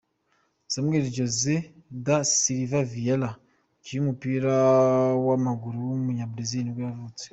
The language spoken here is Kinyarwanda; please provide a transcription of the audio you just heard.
Samuel José da Silva Vieira, umukinnyi w’umupira w’amaguru w’umunyabazil nibwo yavutse.